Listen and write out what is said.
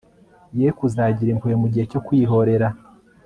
yoye kuzagira impuhwe mu gihe cyo kwihorera